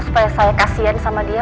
supaya saya kasian sama dia